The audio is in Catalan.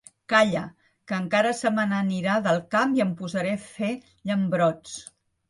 Calla, que encara se me n'anirà del camp i em posaré a fer llambrots.